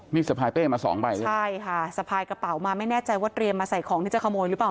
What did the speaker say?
นี่สะพายเป้มาสองใบใช่ไหมใช่ค่ะสะพายกระเป๋ามาไม่แน่ใจว่าเตรียมมาใส่ของที่จะขโมยหรือเปล่า